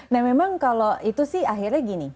nah memang kalau itu sih akhirnya gini